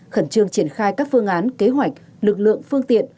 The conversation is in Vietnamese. khẩn trương triển khai các phương án kế hoạch lực lượng phương tiện